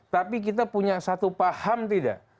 tapi kita punya satu paham tidak